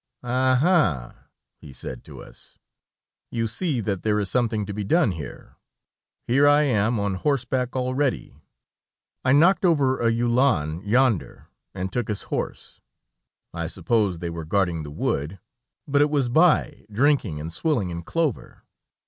"Ah! Ah!" he said to us, "you see that there is something to be done here. Here I am on horseback already. I knocked over a uhlan yonder, and took his horse; I suppose they were guarding the wood, but it was by drinking and swilling in clover.